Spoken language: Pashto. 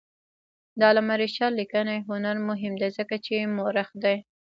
د علامه رشاد لیکنی هنر مهم دی ځکه چې مؤرخ دی.